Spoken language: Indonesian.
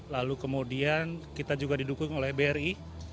lalu kemudian kita juga didukung oleh bri